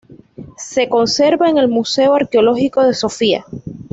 Se conserva en el Museo Arqueológico de Sofía.